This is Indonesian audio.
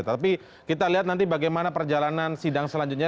tapi kita lihat nanti bagaimana perjalanan sidang selanjutnya